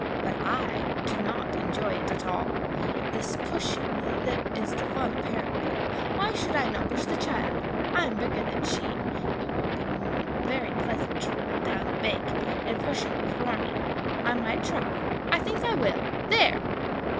but I do not enjoy it at all. It is the pushing that is the fun, apparently. Why should not I push the child? I am bigger than she; it would be very pleasant to roll down the bank, and push her before me. I might try! I think I will! There!"